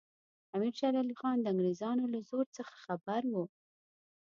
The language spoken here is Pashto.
امیر شېر علي خان د انګریزانو له زور څخه خبر وو.